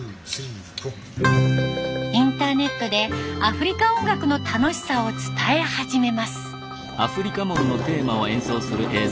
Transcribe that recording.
インターネットでアフリカ音楽の楽しさを伝え始めます。